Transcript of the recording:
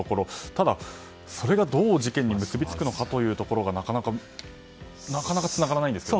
ただ、それがどう事件に結びつくかというところがなかなかつながらないんですけど。